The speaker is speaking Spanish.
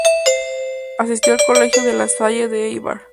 Asistió al colegio de La Salle de Eibar.